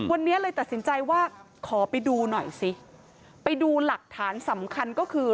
วันนี้เลยตัดสินใจว่าขอไปดูหน่อยสิไปดูหลักฐานสำคัญก็คือ